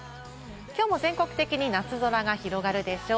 きょうも全国的に夏空が広がるでしょう。